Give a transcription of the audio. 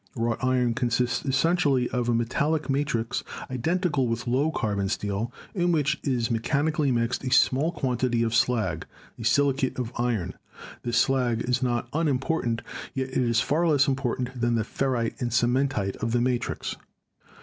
Wrought iron consists essentially of a metallic matrix identical with low carbon steel, in which is mechanically mixed a small quantity of slag, a silicate of iron ; this slag is not unimportant, yet it is far less important than the ferrite and cementite of the matrix.